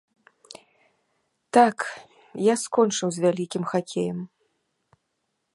Так, я скончыў з вялікім хакеем.